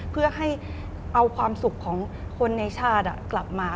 เพื่อให้เอาความสุขของคนในชาติกลับมา